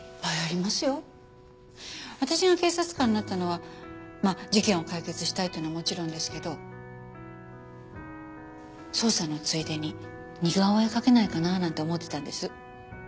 私が警察官になったのはまあ事件を解決したいっていうのはもちろんですけど捜査のついでに似顔絵描けないかななんて思ってたんです。